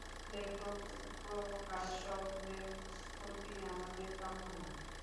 লেখক, প্রকাশকদের ক্ষতি আমাদের কাম্য নয়।